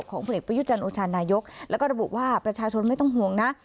ของผลิตประยุจรรย์โอชารณายกแล้วก็ระบุว่าประชาชนไม่ต้องห่วงนะ